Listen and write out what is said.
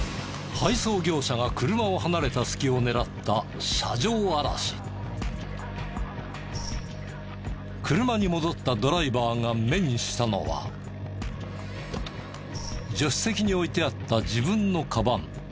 配送業者が車を離れた隙を狙った車に戻ったドライバーが目にしたのは助手席に置いてあった自分のかばん。